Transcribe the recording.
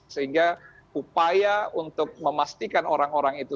sehingga upaya untuk memastikan orang orang itu